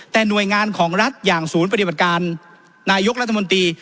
แต่หน่วยงานของรัฐอย่างศูนย์ปฏิบัติการนายกรัฐมนตรี